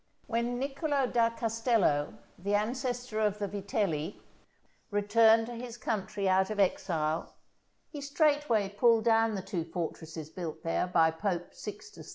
When Niccolo da Castello, the ancestor of the Vitelli, returned to his country out of exile, he straightway pulled down the two fortresses built there by Pope Sixtus IV.